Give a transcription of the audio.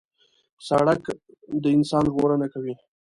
سړک د انسان ژغورنه کوي.